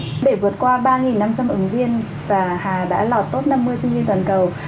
để vượt qua ba năm trăm linh ứng viên và hà đã lọt top năm mươi sinh viên toàn cầu